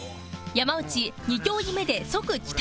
山内２競技目で即帰宅